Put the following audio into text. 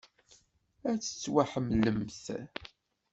Ad tettwaḥemmlemt.